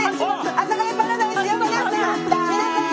「阿佐ヶ谷パラダイス」よ皆さん。